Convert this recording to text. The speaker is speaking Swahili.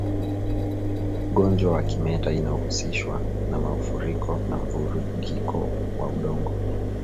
Ugonjwa wa kimeta unahusishwa na mafuriko na mvurugiko wa udongo